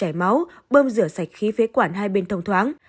như chảy máu bơm rửa sạch khí phế quản hai bên thông thoáng